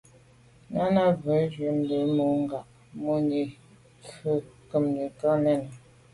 Náná nǔm jə́də́ bû mû ŋgā mwà’nì nyɔ̌ ŋkə̂mjvʉ́ ká nɛ̂n.